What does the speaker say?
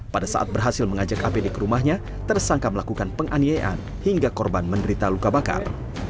pada saat berhasil mengajak apd ke rumahnya tersangka melakukan penganiayaan hingga korban menderita luka bakar